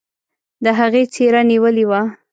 د هغې څيره نيولې وه.